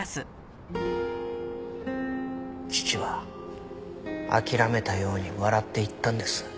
父は諦めたように笑って言ったんです。